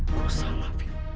gua salah viv